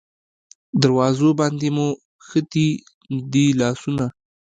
دروازو باندې موښتي دی لاسونه